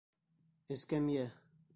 Эскәмйә.